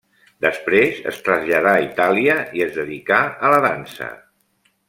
Després es traslladà a Itàlia i es dedicà a la dansa.